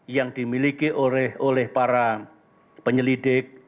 yang dimiliki oleh para penyelidik